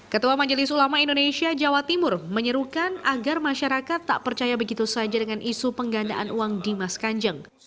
ketua majelis ulama indonesia jawa timur menyerukan agar masyarakat tak percaya begitu saja dengan isu penggandaan uang dimas kanjeng